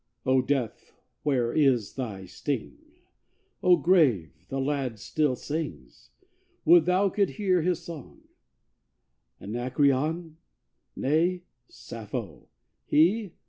O Death, Where is thy sting? O Grave.... The lad still sings! Would thou could hear his song: Anacreon? Nay; Sappho! He?